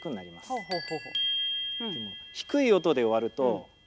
ほうほう。